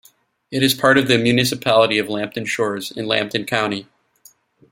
It is part of the Municipality of Lambton Shores in Lambton County.